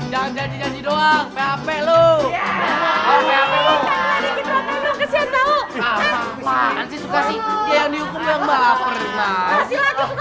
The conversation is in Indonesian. saya janji gak telat lagi